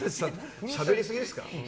しゃべりすぎですか？